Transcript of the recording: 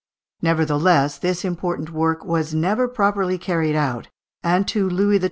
Nevertheless, this important work was never properly carried out, and to Louis XII.